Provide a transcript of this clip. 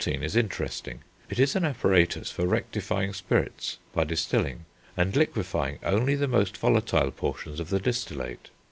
93, is interesting; it is an apparatus for rectifying spirits, by distilling, and liquefying only the most volatile portions of the distillate.